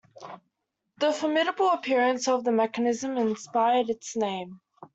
The formidable appearance of the mechanism inspired its name.